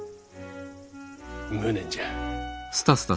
無念じゃ。